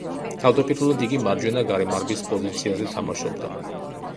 თავდაპირველად, იგი მარჯვენა გარემარბის პოზიციაზე თამაშობდა.